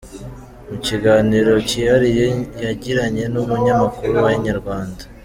Mu kiganiro kihariye yagiranye n'umunyamakuru wa Inyarwanda.